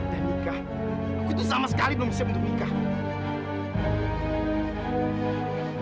dan nikah aku tuh sama sekali